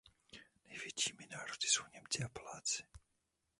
Největšími národy jsou Němci a Poláci.